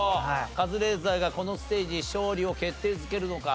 カズレーザーがこのステージ勝利を決定づけるのか？